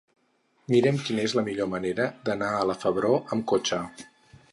Mira'm quina és la millor manera d'anar a la Febró amb cotxe.